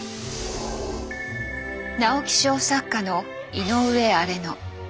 直木賞作家の井上荒野。